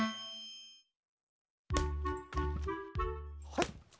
はい！